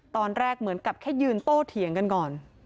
ตอนแรกเหมือนกับแค่ยืนโต้เถียงกันก่อน